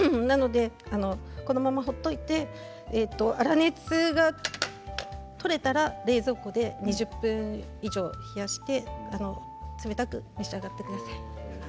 このまま放っておいて粗熱が取れたら冷蔵庫で２０分以上冷やして冷たく召し上がってください。